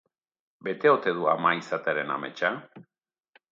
Bete ote du ama izatearen ametsa?